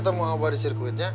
jagaan ya bisnisnya